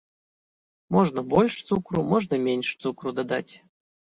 Можна больш цукру, можна менш цукру дадаць.